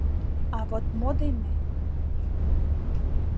А вот мо дене?